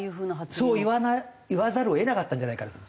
そう言わざるを得なかったんじゃないかなと。